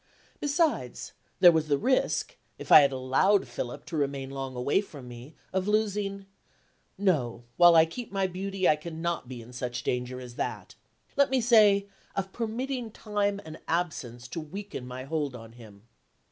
Besides, there was the risk, if I had allowed Philip to remain long away from me, of losing no, while I keep my beauty I cannot be in such danger as that let me say, of permitting time and absence to weaken my hold on him.